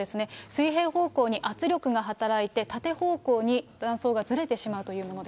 水平方向に圧力が働いて、縦方向に断層がずれてしまうというもの